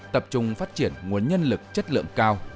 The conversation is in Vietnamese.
tập trung phát triển nguồn nhân lực chất lượng cao